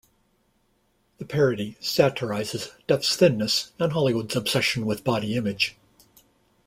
The parody satirizes Duff's thinness and Hollywood's obsession with body image.